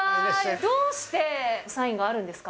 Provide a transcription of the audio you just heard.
どうしてサインがあるんですか。